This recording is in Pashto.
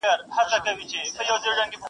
د لوی ځنګله پر څنډه-